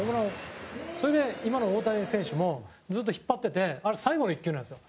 それで、今の大谷選手もずっと引っ張っててあれ、最後の１球なんですよ。